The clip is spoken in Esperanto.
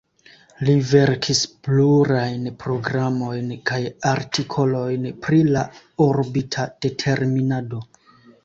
Li verkis plurajn programojn kaj artikolojn pri la orbita determinado.